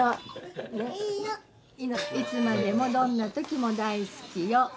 「いつまでもどんな時も大好きよ。